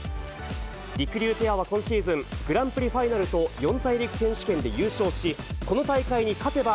りくりゅうペアは今シーズン、グランプリファイナルと四大陸選手権で優勝し、この大会に勝てば、